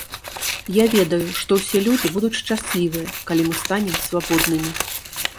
Я ведаю, што ўсе людзі будуць шчаслівыя, калі мы станем свабоднымі.